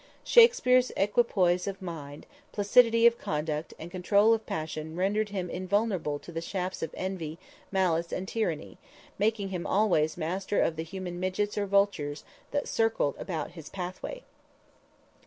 Shakspere's equipoise of mind, placidity of conduct and control of passion rendered him invulnerable to the shafts of envy, malice and tyranny, making him always master of the human midgets or vultures that circled about his pathway.